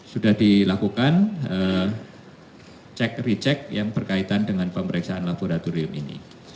sudah dilakukan cek recek yang berkaitan dengan pemeriksaan laboratorium ini